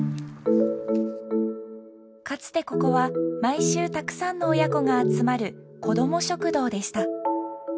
かつてここは毎週たくさんの親子が集まる「こども食堂」でした。